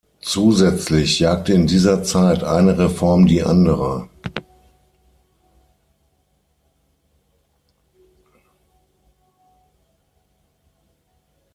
Zusätzlich jagte in dieser Zeit eine Reform die andere.